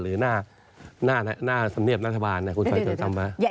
หรือหน้าสำเนียบนัธบาลคุณจอมฝันจำไหม